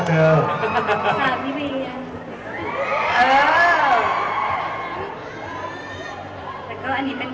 อีกครึ่งนึงคล้างไว้นิดนึง